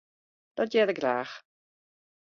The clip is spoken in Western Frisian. Dat hear ik graach.